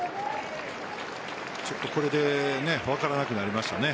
ちょっとこれで分からなくなりましたね。